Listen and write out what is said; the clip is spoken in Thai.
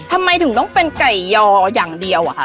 ทำไมถึงต้องเป็นไก่ยออย่างเดียวอะคะ